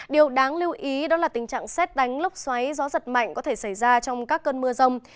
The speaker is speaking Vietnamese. điều đáng lưu ý đó là tình trạng xét đánh lốc xoáy gió giật mạnh có thể xảy ra trong các cơn mưa rông